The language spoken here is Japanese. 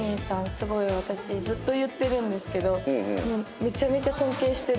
すごい私ずっと言ってるんですけどもうめちゃめちゃ尊敬してるんです。